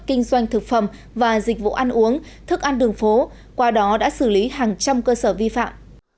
kinh doanh thực phẩm và dịch vụ ăn uống thức ăn đường phố qua đó đã xử lý hàng trăm cơ sở vi phạm